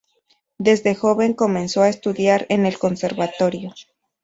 Desde joven comenzó a estudiar en el Conservatorio.